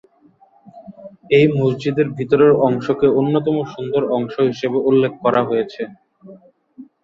এই মসজিদের ভিতরের অংশকে অন্যতম সুন্দর অংশ হিসেবে উল্লেখ করা হয়েছে।